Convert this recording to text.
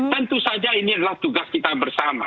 tentu saja ini adalah tugas kita bersama